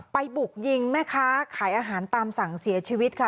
บุกยิงแม่ค้าขายอาหารตามสั่งเสียชีวิตค่ะ